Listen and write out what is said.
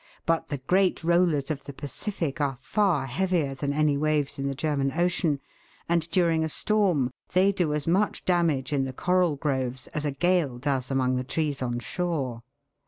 But the great rollers of the Pacific are far heavier than any waves in the German Ocean, and during a storm they do as much damage in the coral groves as a gale does among the trees on shore.